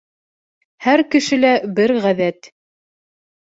Һәр кешелә бер ғәҙәт.